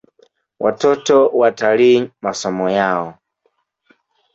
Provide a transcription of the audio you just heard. Watoto watalii masomo yao